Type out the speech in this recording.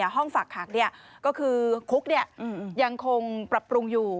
ห้องฝากขังก็คือคุกยังคงปรับปรุงอยู่